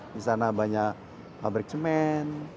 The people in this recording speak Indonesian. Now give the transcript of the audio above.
di sana banyak pabrik semen